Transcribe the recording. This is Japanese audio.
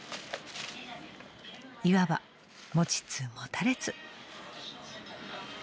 ［いわば持ちつ持たれつ］